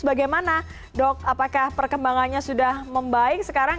bagaimana dok apakah perkembangannya sudah membaik sekarang